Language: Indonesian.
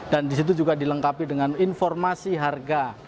dan di situ juga dilengkapi dengan informasi harga